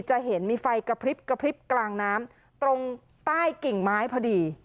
จะเห็นมีไฟกระพริบกระพริบกลางน้ำตรงใต้กิ่งไม้พอดี